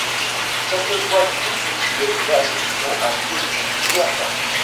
Cette fois-ci les avis sont un peu plus divergents.